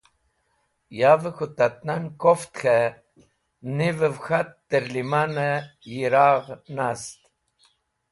Yavẽ k̃hũ tat nan koft k̃hẽ nivẽv k̃hat tẽr lẽm̃nẽ yiragh nast